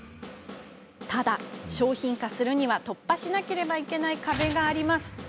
ただ商品化するには突破しなければいけない壁があります。